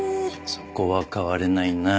そこは代われないなぁ。